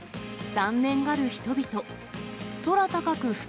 残念がる人々。